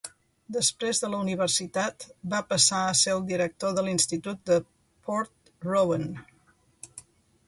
Després de la universitat, va passar a ser el director de l'institut de Port Rowan.